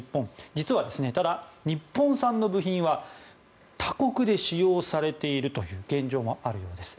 実はただ、日本産の部品は他国で使用されているという現状もあるようです。